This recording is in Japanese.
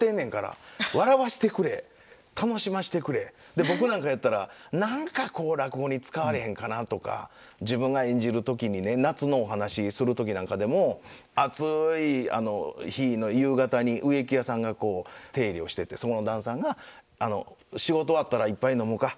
で僕なんかやったら何かこう落語に使われへんかなとか自分が演じる時にね夏のお噺する時なんかでも暑い日の夕方に植木屋さんがこう手入れをしててその旦さんが仕事終わったら「一杯飲もか。